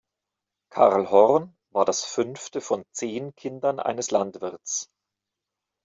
Karl Horn war das fünfte von zehn Kindern eines Landwirts.